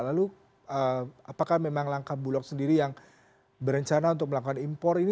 lalu apakah memang langkah bulog sendiri yang berencana untuk melakukan impor ini